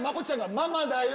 ママだよ！